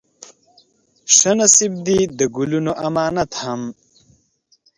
شه نصيب دې د ګلونو امامت هم